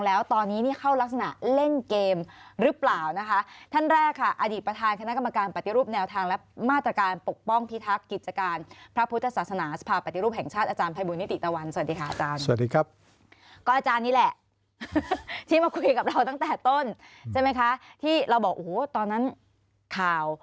แล้วตอนนี้นี่เข้ารักษณะเล่นเกมหรือเปล่านะคะท่านแรกค่ะอดีตประธานคณะกรรมการปฏิรูปแนวทางและมาตรการปกป้องพิทักษ์กิจการพระพุทธศาสนาสภาปฏิรูปแห่งชาติอาจารย์ภัยบูลนิติตะวันสวัสดีค่ะอาจารย์สวัสดีครับก็อาจารย์นี่แหละที่มาคุยกับเราตั้งแต่ต้นใช่ไหมคะที่เราบอกโอ้โหตอนนั้นข่าว